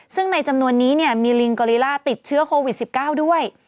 ซึ่งในจำนวนนี้มีลิงกอลิล่าติดเชื้อโควิด๑๙ด้วย